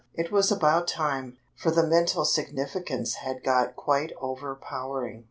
It was about time, for the mental significance had got quite over powering.